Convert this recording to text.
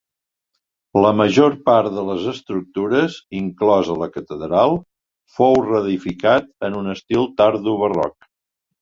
La major part de les estructures, inclosa la catedral, fou reedificat en un estil tardobarroc.